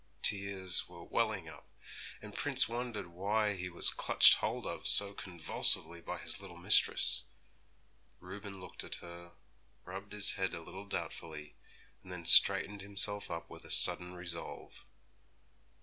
Tears were welling up, and Prince wondered why he was clutched hold of so convulsively by his little mistress. Reuben looked at her, rubbed his head a little doubtfully, and then straightened himself up with a sudden resolve.